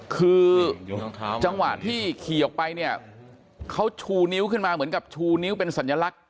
คือจังหวะที่ขี่ออกไปเนี่ยเขาชูนิ้วขึ้นมาเหมือนกับชูนิ้วเป็นสัญลักษณ